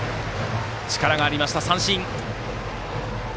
力がありました、三振。